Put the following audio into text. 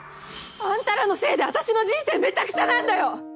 あんたらのせいで私の人生めちゃくちゃなんだよ！